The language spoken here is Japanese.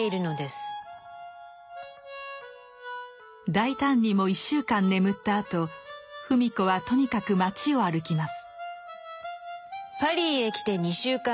大胆にも１週間眠ったあと芙美子はとにかく街を歩きます。